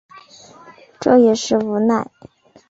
这也是无奈